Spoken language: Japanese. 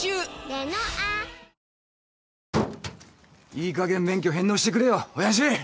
いいかげん免許返納してくれよ親父。